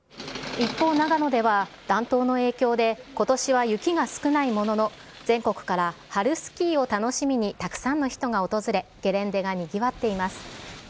一方、長野では、暖冬の影響で、ことしは雪が少ないものの、全国から春スキーを楽しみに、たくさんの人が訪れ、ゲレンデがにぎわっています。